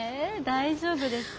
大丈夫ですか？